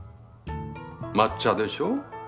抹茶でしょ。